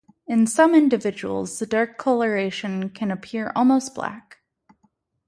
In some individuals the dark coloration can appear almost black.